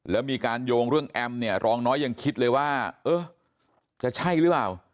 แล้วมีการโยงเรื่องแอมเนี่ยรองน้อยยังคิดเลยว่าเออจะใช่หรือเปล่า